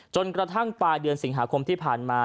จนกระทั่งปลายเดือนสิงหาคมที่ผ่านมา